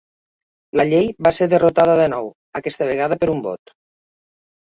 La llei va ser derrotada de nou, aquesta vegada per un vot.